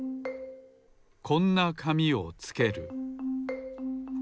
こんなかみをつける。